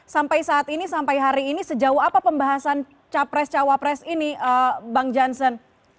sampai saat ini sampai hari ini sejauh apa pembahasan capres cawapres ini bang jansen